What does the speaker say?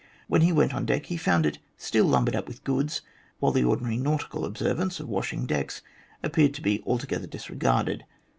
When he went on deck he found it still lumbered up with goods, while the ordinary nautical observance of washing decks appeared to be altogether disregarded.